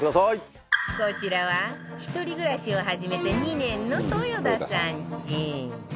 こちらは一人暮らしを始めて２年の豊田さんち